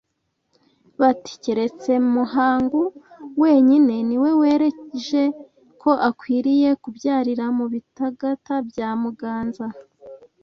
bati Keretse Muhangu wenyine ni we wereje ko akwiriye kubyarira mu Bitagata bya Muganza